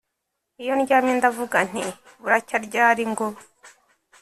Iyo ndyamye ndavuga nti Buracya ryari ngo